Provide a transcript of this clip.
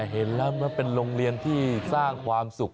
เห็นแล้วมันเป็นโรงเรียนที่สร้างความสุข